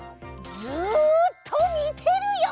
ずっとみてるよ！